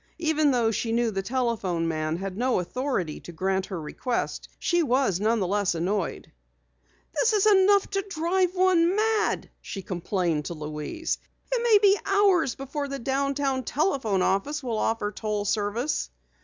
Even though she knew the telephone man had no authority to grant her request, she was none the less annoyed. "This is enough to drive one mad!" she complained to Louise. "It may be hours before the downtown telephone office will offer toll service."